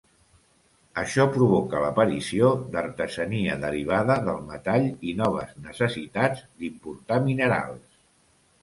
Això provoca l'aparició d'artesania derivada del metall i noves necessitats d'importar minerals.